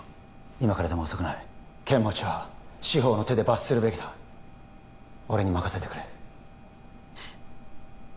今からでも遅くない剣持は司法の手で罰するべきだ俺に任せてくれフッ